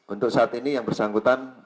untuk saat ini yang bersangkutan